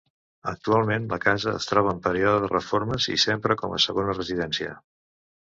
Actualment la casa es troba en període de reformes i s'empra com a segona residència.